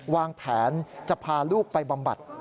วางแผนจะพาลูกไปบำบัด